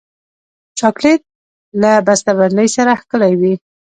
چاکلېټ له بسته بندۍ سره ښکلی وي.